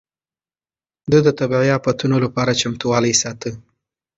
ده د طبيعي افتونو لپاره چمتووالی ساته.